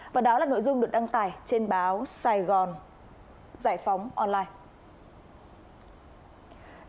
và đó là nội dung được đăng tải trên báo sài gòn giải phóng online